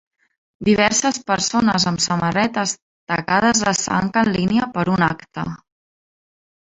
Diverses persones amb samarretes tacades de sang en línia per un acte.